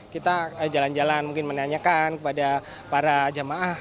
kita jalan jalan mungkin menanyakan kepada para jamaah